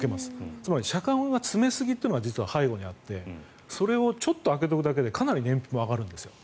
つまり車間は詰めすぎというのが背後にあってそれをちょっと空けておくだけでかなり燃費も上がるんですよ。